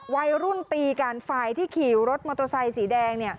วัยรุ่นตีกันฝ่ายที่ขี่รถมอเตอร์ไซค์สีแดง